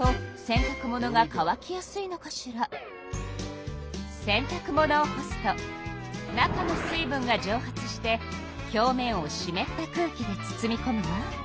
では洗たく物を干すと中の水分がじょう発して表面をしめった空気で包みこむわ。